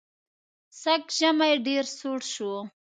سږ ژمی ډېر سوړ شو.